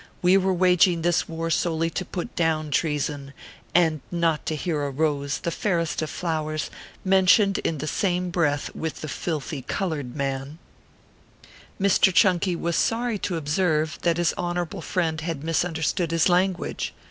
We were waging this war solely to put down treason, and not to hear a rose, the fairest of flowers, mentioned in the same breath with the filthy colored man 378 ORPHEUS C. KERR PAPERS. Mr. CHUNKY was sorry to observe that his Honor able friend had misunderstood his language.